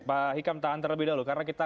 pak hikam tahan terlebih dahulu karena kita